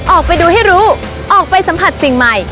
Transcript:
ออกไปดูให้รู้ออกไปสัมผัสสิ่งใหม่